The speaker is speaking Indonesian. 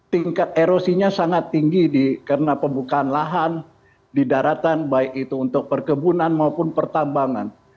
tingkat erosinya sangat tinggi karena pembukaan lahan di daratan baik itu untuk perkebunan maupun pertambangan